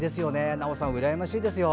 なおさん、うらやましいですよ。